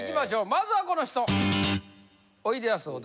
まずはこの人！